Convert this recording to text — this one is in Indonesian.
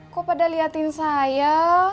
kok pada liatin saya